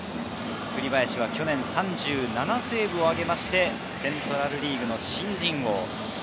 栗林は去年３７セーブを挙げて、セントラルリーグの新人王。